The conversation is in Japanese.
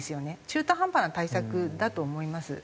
中途半端な対策だと思います。